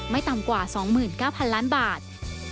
ต่ำกว่า๒๙๐๐ล้านบาท